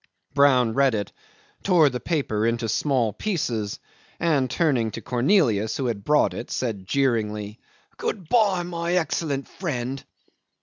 Brown read it, tore the paper into small pieces, and, turning to Cornelius, who had brought it, said jeeringly, "Good bye, my excellent friend."